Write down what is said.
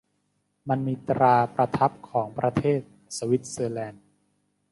มันมีตราประทับของประเทศสวิสเซอร์แลนด์